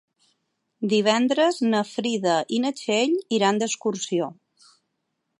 Divendres na Frida i na Txell iran d'excursió.